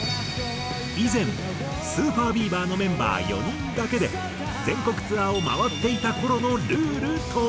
以前ＳＵＰＥＲＢＥＡＶＥＲのメンバー４人だけで全国ツアーを回っていた頃のルールとは？